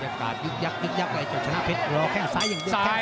แผ่นอาการยึกยับเลยจนชนะเพชรรอแค่ซ้ายยังยึกแค่ซ้าย